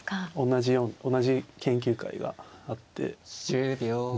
同じ研究会があってうん